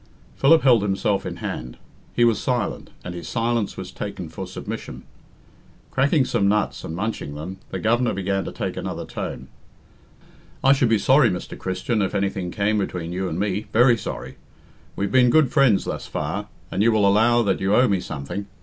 Philip held himself in hand. He was silent, and his silence was taken for submission. Cracking some nuts and munching them, the Governor began to take another tone. "I should be sorry, Mr. Christian, if anything came between you and me very sorry. We've been good friends thus far, and you will allow that you owe me something.